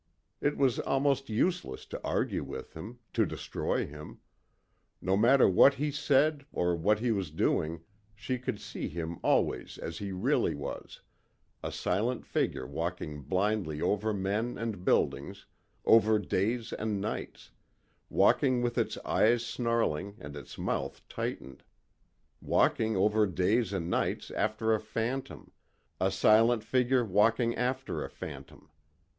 It was almost useless to argue with him, to destroy him. No matter what he said or what he was doing she could see him always as he really was a silent figure walking blindly over men and buildings, over days and nights; walking with its eyes snarling and its mouth tightened; walking over days and nights after a phantom a silent figure walking after a phantom.